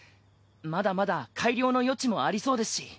まだまだ改良の余地もありそうですし。